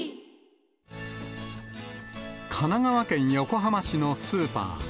神奈川県横浜市のスーパー。